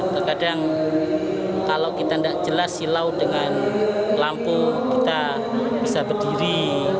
terkadang kalau kita tidak jelas silau dengan lampu kita bisa berdiri